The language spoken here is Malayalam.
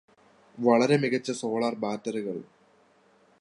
വളരെ മികച്ച സോളാർ ബാറ്ററികൾ